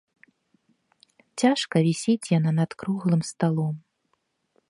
Цяжка вісіць яна над круглым сталом.